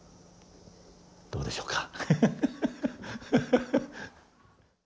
どうでしょうか？